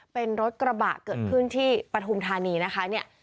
เป็นรถกระบะเกิดขึ้นที่ปฐุมธานีนะคะเนี่ย